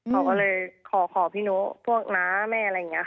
เขาก็เลยขอพี่โน๊พวกน้าแม่อะไรอย่างนี้ค่ะ